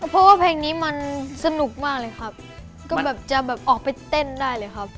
เพราะว่าเพลงนี้มันสนุกมากเลยครับก็แบบจะแบบออกไปเต้นได้เลยครับ